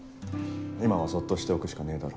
今はそっとしておくしかねえだろ。